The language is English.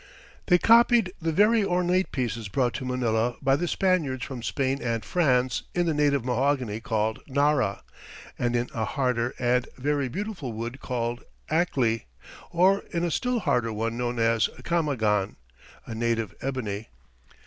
They copied the very ornate pieces brought to Manila by the Spaniards from Spain and France in the native mahogany called nara, and in a harder and very beautiful wood called acle, or in a still harder one known as camagon, a native ebony.